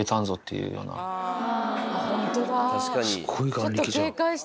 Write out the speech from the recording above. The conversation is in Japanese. すごい眼力じゃん。